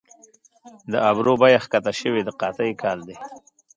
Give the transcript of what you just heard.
د ابرو بیه کښته شوې د قحطۍ کال دي